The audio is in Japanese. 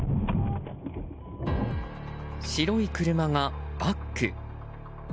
白い車がバック。